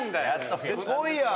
すごいやん。